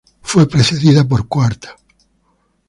Fue precedida por "Quart.